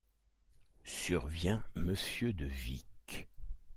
Survient Monsieur de Vic.